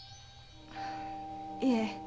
いえ。